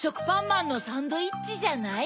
まんのサンドイッチじゃない？